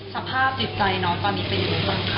สภาพจิตใจน้องตอนนี้เป็นยังไงบ้างคะ